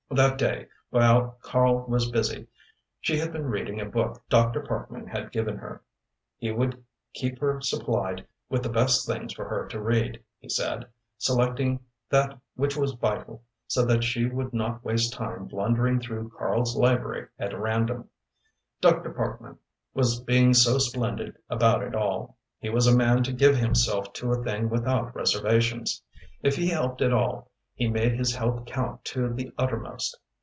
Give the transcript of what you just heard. That day, while Karl was busy, she had been reading a book Dr. Parkman had given her. He would keep her supplied with the best things for her to read, he said, selecting that which was vital, so that she would not waste time blundering through Karl's library at random. Dr. Parkman was being so splendid about it all. He was a man to give himself to a thing without reservations; if he helped at all he made his help count to the uttermost.